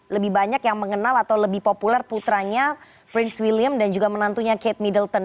lebih banyak yang mengenal atau lebih populer putranya prince william dan juga menantunya kate middleton